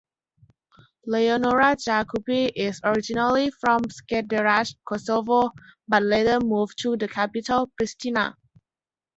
Leonora Jakupi is originally from Skenderaj, Kosovo, but later moved to the capital, Pristina.